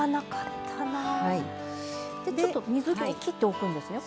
でちょっと水けをきっておくんですね。